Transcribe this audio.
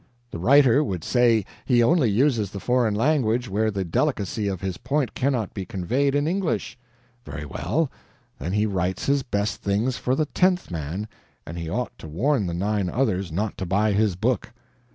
The writer would say he only uses the foreign language where the delicacy of his point cannot be conveyed in English. Very well, then he writes his best things for the tenth man, and he ought to warn the nine other not to buy his book.